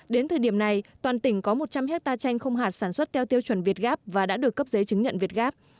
đến thời điểm này toàn tỉnh có một trăm linh hectare chanh không hạt sản xuất theo tiêu chuẩn việt gáp và đã được cấp giấy chứng nhận việt gáp